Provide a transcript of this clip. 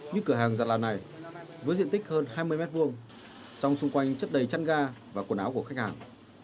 những cửa hàng giặt là này với diện tích hơn hai mươi m hai song xung quanh chất đầy chăn ga và quần áo của khách hàng